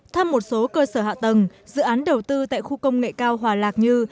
thăm một số cơ sở hạ tầng dự án đầu tư tại khu công nghệ cao hòa lạc như